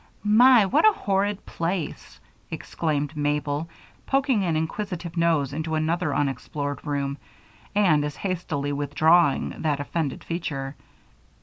"My! what a horrid place!" exclaimed Mabel, poking an inquisitive nose into another unexplored room, and as hastily withdrawing that offended feature.